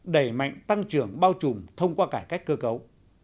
đẩy mạnh tăng trưởng bao trùm thông qua cải cách cơ cấu